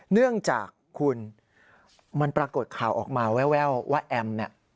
เนื่องจากคุณมันปรากฏข่าวออกมาแววว่าแอมเนี่ย